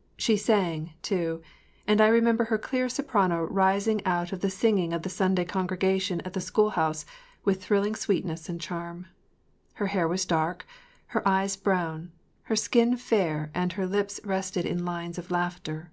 ” She sang, too, and I remember her clear soprano rising out of the singing of the Sunday congregation at the schoolhouse with thrilling sweetness and charm. Her hair was dark, her eyes brown, her skin fair and her lips rested in lines of laughter.